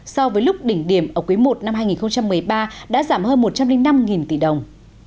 so với lúc đỉnh điểm ở quý i năm hai nghìn một mươi ba đã giảm hơn một trăm linh năm tỷ đồng